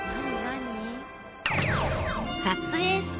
何？